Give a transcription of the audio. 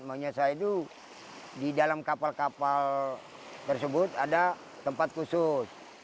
makanya saya itu di dalam kapal kapal tersebut ada tempat khusus